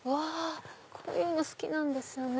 こういうの好きなんですよね。